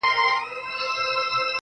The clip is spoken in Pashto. سیاه پوسي ده، مرگ خو یې زوی دی.